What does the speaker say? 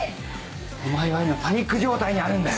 お前は今パニック状態にあるんだよ。